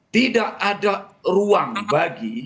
tidak ada ruang bagi